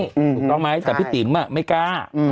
ถูกต้องไหมแต่พี่ติ๋มไม่กล้า